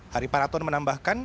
hari paraton menambahkan